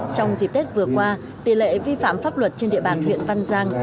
trong dịp tết vừa qua tỷ lệ vi phạm pháp luật trên địa bàn huyện văn giang